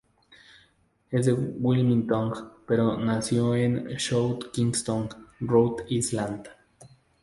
Es de Wilmington, pero nació en South Kingston, Rhode Island.